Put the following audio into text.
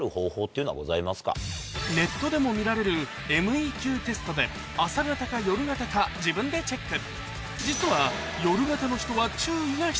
ネットでも見られるＭＥＱテストで朝型か夜型か自分でチェック